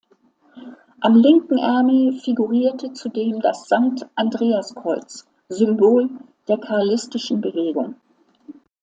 Am linken Ärmel figurierte zudem das Sankt-Andreas-Kreuz, Symbol der carlistischen Bewegung.